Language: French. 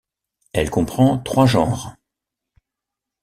Elle comprend trois genres.